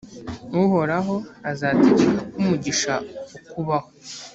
uhoraho azategeka ko umugisha ukubaho,